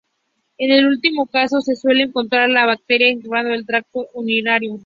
En este último caso, se suele encontrar a la bacteria infectando el tracto urinario.